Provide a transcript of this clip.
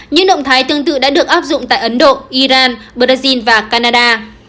những động thái tương tự đã được áp dụng tại ấn độ iran brazil và canada